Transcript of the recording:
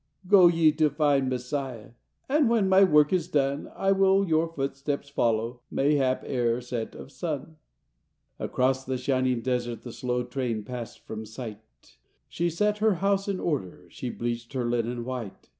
Go ye to find Messiah! And when my work is done I will your footsteps follow, Mayhap ere set of sun.” Across the shining desert The slow train passed from sight; She set her house in order, She bleached her linen white.